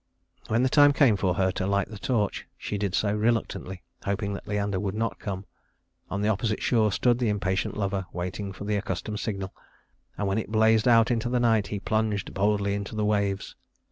When the time came for her to light the torch, she did so reluctantly, hoping that Leander would not come. On the opposite shore stood the impatient lover, waiting for the accustomed signal, and when it blazed out into the night, he plunged boldly into the waves.